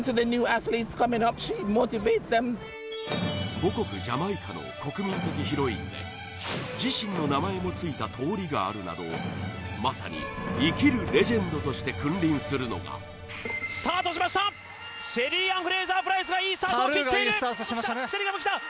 母国ジャマイカの国民的ヒロインで自身の名前もついた通りがあるなどまさに生きるレジェンドとして君臨するのがスタートしましたシェリーアン・フレイザープライスがいいスタートを切っているタルーがいいスタートしましたね